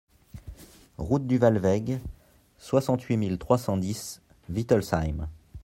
Route du Wahlweg, soixante-huit mille trois cent dix Wittelsheim